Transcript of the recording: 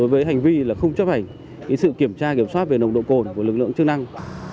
với hành vi là không chấp hành sự kiểm tra kiểm soát về nồng độ cồn của lực lượng chức năng